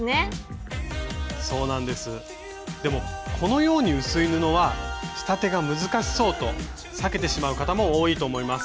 でもこのように薄い布は仕立てが難しそうと避けてしまう方も多いと思います。